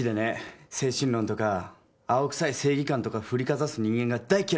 精神論とか青臭い正義感とか振りかざす人間が大嫌いなんですよ。